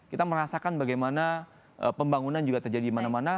kita merasakan bagaimana pembangunan juga terjadi di mana mana